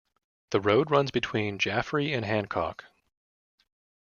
The road runs between Jaffrey and Hancock.